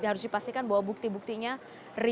diharus dipastikan bukti bukti rigid solid dan komplit